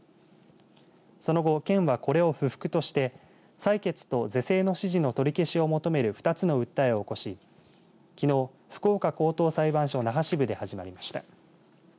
その後、県は、これを不服として裁決と是正の指示の取り消しを求める２つの訴えを起こしきのう、福岡高等裁判所那覇支部で始まりました。